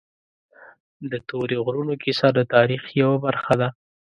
د تورې غرونو کیسه د تاریخ یوه برخه ده.